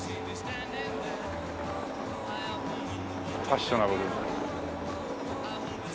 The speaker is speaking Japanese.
ファッショナブル。